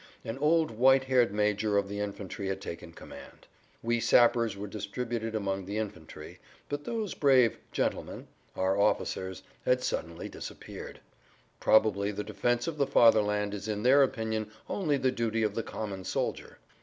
An old white haired major of the infantry had taken command. We sappers were distributed among the infantry, but those brave "gentlemen," our officers, had suddenly disappeared. Probably the defense of the fatherland is in their opinion only the duty of the common soldier.